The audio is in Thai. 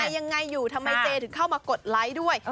ยังไงอยู่ทำไมเจถึงเข้ามากดไลค์ด้วย